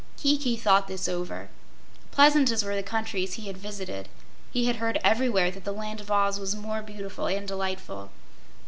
Kiki thought this over. Pleasant as were the countries he had visited, he heard everywhere that the Land of Oz was more beautiful and delightful.